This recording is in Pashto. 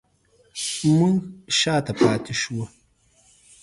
موږ شاته پاتې شوو